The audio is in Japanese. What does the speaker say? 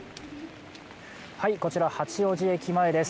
こちら八王子駅前です。